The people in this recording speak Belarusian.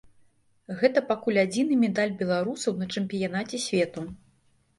Гэта пакуль адзіны медаль беларусаў на чэмпіянаце свету.